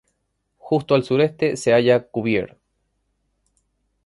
Justo al sureste se halla Cuvier.